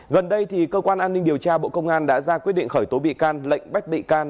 gần đây cơ quan an ninh điều tra bộ công an đã ra quyết định khởi tố bị can lệnh bắt bị can